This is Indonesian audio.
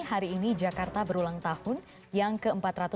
hari ini jakarta berulang tahun yang ke empat ratus enam puluh